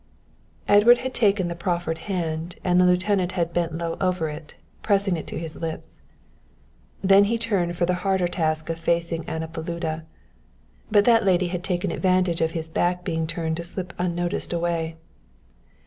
Edward had taken the proffered hand and the lieutenant had bent low over it, pressing it to his lips. Then he turned for the harder task of facing Anna Paluda. But that lady had taken advantage of his back being turned to slip unnoticed away.